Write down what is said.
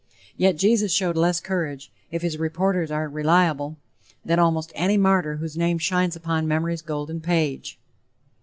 Yet Jesus showed less courage, if his reporters are reliable, than almost any martyr whose name shines upon memory's golden page.